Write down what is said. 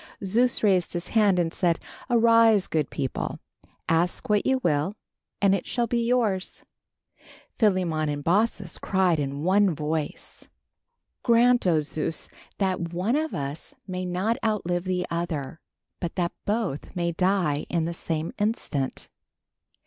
Zeus raised his hand and said, "Arise, good people, ask what you will and it shall be yours." Philemon and Baucis cried in one voice: "Grant, oh Zeus, that one of us may not outlive the other, but that both may die in the same instant."